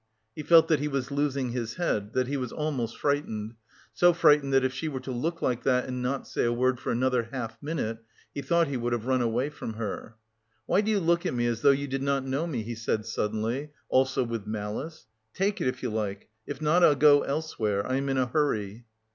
He felt that he was losing his head, that he was almost frightened, so frightened that if she were to look like that and not say a word for another half minute, he thought he would have run away from her. "Why do you look at me as though you did not know me?" he said suddenly, also with malice. "Take it if you like, if not I'll go elsewhere, I am in a hurry."